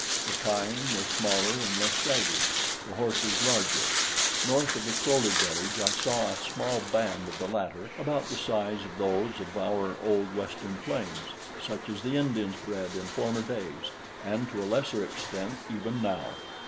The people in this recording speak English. The kine were smaller and less shaggy, the horses larger. North of the Kro lu village I saw a small band of the latter of about the size of those of our old Western plains such as the Indians bred in former days and to a lesser extent even now.